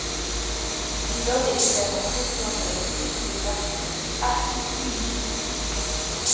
Rylov est également président de la Société des artistes Arkhip Kouïndji.